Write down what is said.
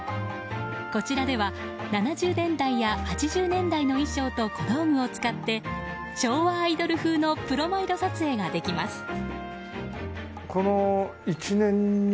こちらでは、７０年代や８０年代の衣装と小道具を使って昭和アイドル風のプロマイド撮影ができます。